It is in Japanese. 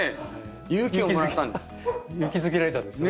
勇気づけられたんですね。